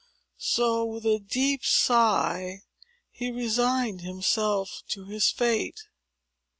So, with a deep sigh, he resigned himself to his fate.